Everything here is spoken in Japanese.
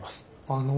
あの。